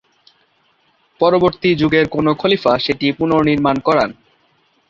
পরবর্তী যুগের কোনো খলিফা সেটি পুনর্নির্মাণ করান।